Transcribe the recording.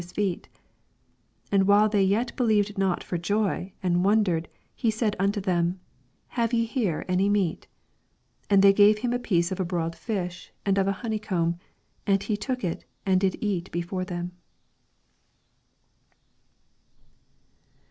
is 1 myself: handle me, auc 41 And while they yet believed not for joy, and wondered, he said untff them, Have ye here any meat? 42 And they gave him a piece of a broiled fish, ana of an honeycomb. 43 And he took i^, and did eat be fore them.